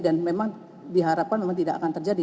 dan memang diharapkan memang tidak akan terjadi